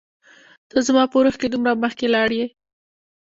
ته زما په روح کي دومره مخکي لاړ يي